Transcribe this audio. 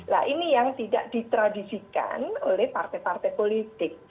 nah ini yang tidak ditradisikan oleh partai partai politik